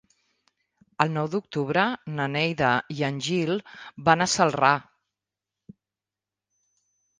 El nou d'octubre na Neida i en Gil van a Celrà.